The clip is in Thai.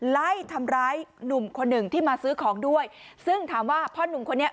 ไล่ทำร้ายหนุ่มคนหนึ่งที่มาซื้อของด้วยซึ่งถามว่าพ่อหนุ่มคนนี้